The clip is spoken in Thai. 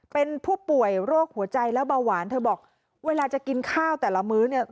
เป็นผู้ป่วยโรคหัวใจและเบาหวานเธอบอกเวลาจะกินข้าวแต่ละมื้อเนี่ย